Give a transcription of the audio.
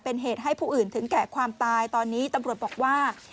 เป็นเหตุให้ผู้อื่นถึงแก่ความตายตอนนี้ตำรวจบอกว่า